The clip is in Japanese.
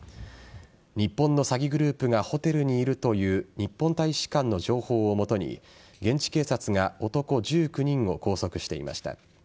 日本の詐欺グループがホテルにいるという日本大使館の情報を基に現地警察が男１９人を拘束していました。